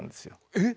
えっ？